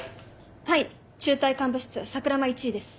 はい中隊幹部室桜間１尉です。